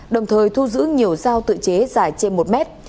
đồng thời thu giữ nhiều dao tự chế dài trên một mét